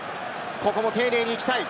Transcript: ここも丁寧に行きたい。